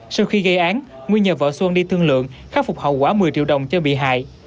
sau khi gây án nguyên nhờ vợ xuân đi thương lượng khắc phục hậu quả một mươi triệu đồng cho bị hại